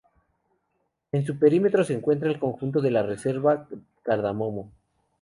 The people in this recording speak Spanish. En su perímetro se encuentra el conjunto de la reserva Cardamomo.